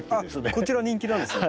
こちら人気なんですか？